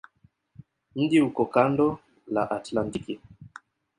Mji uko kando la Atlantiki.